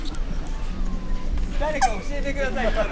誰か教えてください